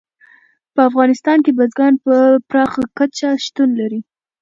په افغانستان کې بزګان په پراخه کچه شتون لري.